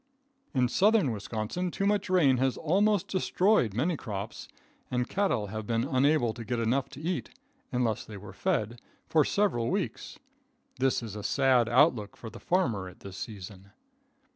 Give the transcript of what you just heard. In Southern Wisconsin too much rain has almost destroyed many crops, and cattle have been unable to get enough to eat, unless they were fed, for several weeks. This is a sad outlook for the farmer at this season.